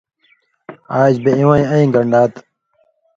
آژ بےۡ اِوَیں اَیں گن٘ڈا تھہ؛